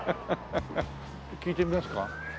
聞いてみますか？